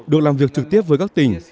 được làm việc trực tiếp với các tỉnh